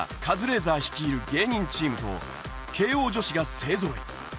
カズレーザー率いる芸人チームと慶應女子が勢ぞろい